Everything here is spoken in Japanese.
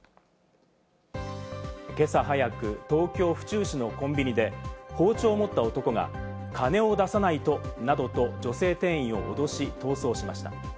今朝早く東京・府中市のコンビニで包丁を持った男が金を出さないとなどと女性店員を脅し、逃走しました。